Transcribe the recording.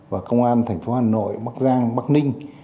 và công an tp hà nội bắc giang bắc ninh